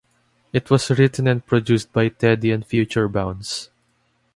It was written and produced by Teddy and Future Bounce.